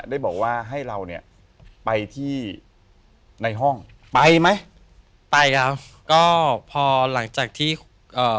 ได้บอกว่าให้เราเนี่ยไปที่ในห้องไปไหมไปครับก็พอหลังจากที่เอ่อ